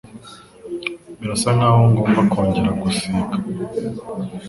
Birasa nkaho ngomba kongera gusiga